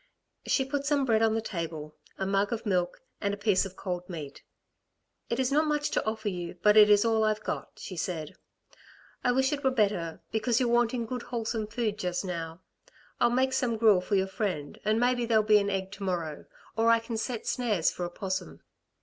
She put some bread on the table, a mug of milk and a piece of cold meat. "It is not much to offer you, but it is all I've got," she said. "I wish it were better, because you're wanting good wholesome food just now. I'll make some gruel for your friend and maybe there'll be an egg to morrow, or I can set snares for a 'possum."